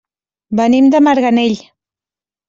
Venim de Marganell.